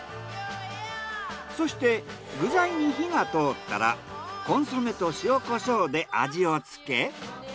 そして具材に火が通ったらコンソメと塩コショウで味をつけ。